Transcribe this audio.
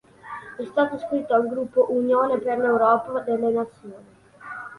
È stato iscritto al gruppo Unione per l'Europa delle Nazioni.